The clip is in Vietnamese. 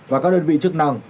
và các đơn vị chức năng